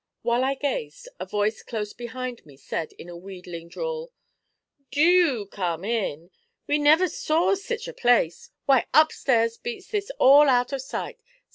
While I gazed, a voice close behind me said, in a wheedling drawl: 'Dew come in! You never saw sech a place! Why, upstairs beats this all out of sight.